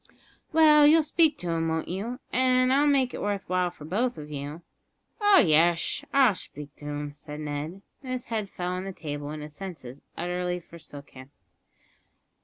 "Well, you'll speak to him, won't you, and I'll make it worth while for both of you?" "Oh yesh, I'll shpeak to him," said Ned, as his head fell on the table and his senses utterly forsook him.